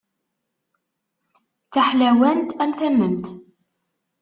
D taḥlawant am tamemt.